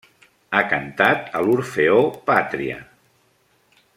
Ha cantat a l'Orfeó Pàtria.